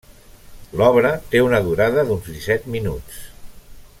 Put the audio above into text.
L'obra té una durada d'uns disset minuts.